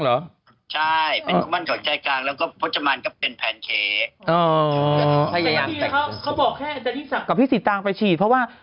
แล้วก็พจมานเป็นเป็นแพนเค้ก